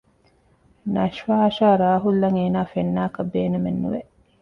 ނަޝްފާ އަށާ ރާހުލްއަށް އޭނާ ފެންނާކަށް ބޭނުމެއް ނުވެ